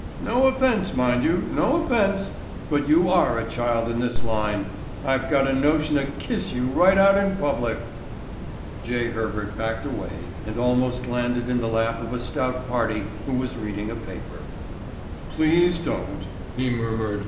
No offense, mind you, no offense, but you are a child in this line. I've got a notion to kiss you right out in public." J. Herbert backed away and almost landed in the lap of a stout party who was reading a paper. "Please don't," he murmured.